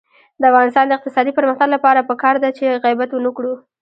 د افغانستان د اقتصادي پرمختګ لپاره پکار ده چې غیبت ونکړو.